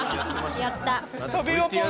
やった！